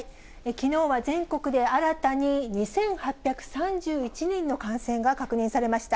きのうは全国で新たに２８３１人の感染が確認されました。